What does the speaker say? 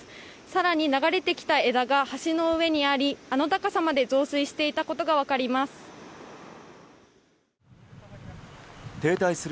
更に流れてきた枝が橋の上にありあの高さまで増水していたことが分かります。